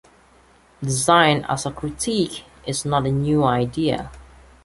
Design as critique is not a new idea.